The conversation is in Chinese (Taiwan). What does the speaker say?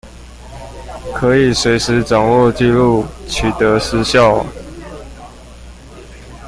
可以隨時掌握紀錄取得時效